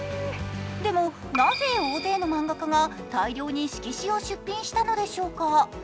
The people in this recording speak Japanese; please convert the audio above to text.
でも、なぜ大勢の漫画家が大量に色紙を出品したのでしょうか。